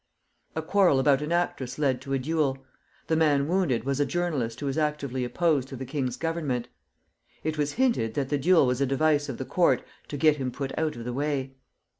A quarrel about an actress led to a duel. The man wounded was a journalist who was actively opposed to the king's Government. It was hinted that the duel was a device of the court to get him put out of the way.